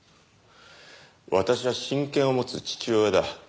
私は親権を持つ父親だ。